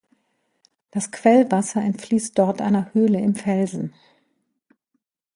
Das Quellwasser entfließt dort einer Höhle im Felsen.